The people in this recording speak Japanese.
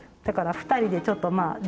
だから２人でちょっとまあ